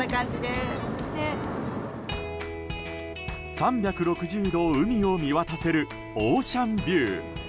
３６０度、海を見渡せるオーシャンビュー。